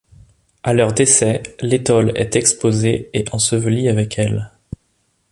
À leur décès, l'étole est exposée et ensevelie avec elle.